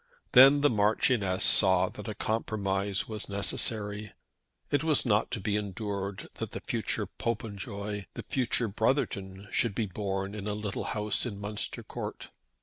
Then the Marchioness saw that a compromise was necessary. It was not to be endured that the future Popenjoy, the future Brotherton, should be born in a little house in Munster Court.